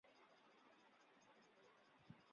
中华台北为中华民国在国际奥运赛事的名称。